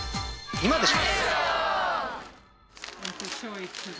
今でしょ！